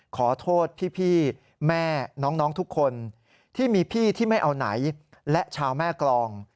ขอโทษพี่แม่น้องทุกคนที่มีพี่ที่ไม่เอาไหนและชาวแม่กรอง